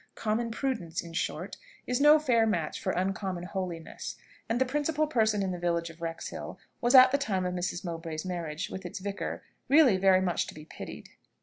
Common prudence, in short, is no fair match for uncommon holiness, and the principal person in the village of Wrexhill was at the time of Mrs. Mowbray's marriage with its vicar really very much to be pitied.